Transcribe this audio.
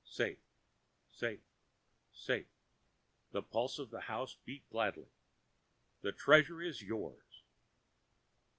"Safe, safe, safe," the pulse of the house beat gladly. "The Treasure yours."